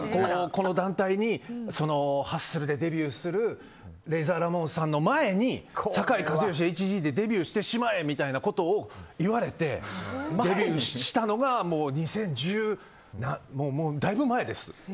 この団体にハッスルでデビューするレイザーラモンさんの前に酒井一圭ＨＧでデビューしてしまえみたいなことを言われてデビューしたのがだいぶ前です。